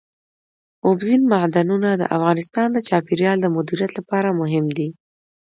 اوبزین معدنونه د افغانستان د چاپیریال د مدیریت لپاره مهم دي.